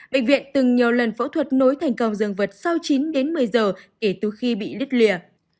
bệnh viện từng nhiều lần phẫu thuật nối thành cầu giường vật sau chín đến một mươi giờ kể từ khi bị đứt lìa